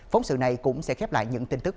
phóng sự này cũng sẽ khép lại những tin tức